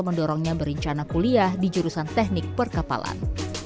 mendorongnya berencana kuliah di jurusan teknik perkapalan